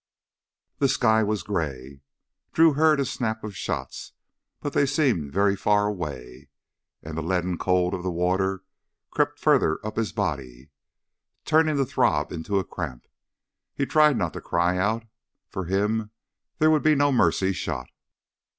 The sky was gray. Drew heard a snap of shots, but they seemed very far away. And the leaden cold of the water crept farther up his body, turning the throb into a cramp. He tried not to cry out; for him there would be no mercy shot.